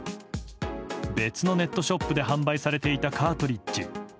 別のネットショップで販売されていたカートリッジ。